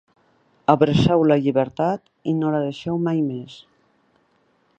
Abraceu la llibertat i no la deixeu mai més.